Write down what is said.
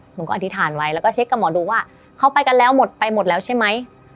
หนูก็อธิษฐานไว้แล้วก็เช็คกับหมอดูว่าเขาไปกันแล้วหมดไปหมดแล้วใช่ไหม